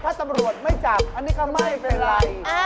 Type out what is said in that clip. ถ้าตำรวจไม่จับอันนี้ก็ไม่เป็นไร